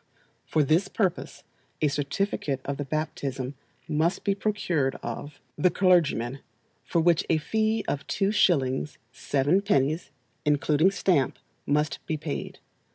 For this purpose a certificate of the baptism must be procured of the clergyman, for which a fee of 2s. 7d. (including stamp) must he paid.